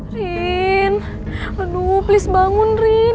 rin waduh please bangun rin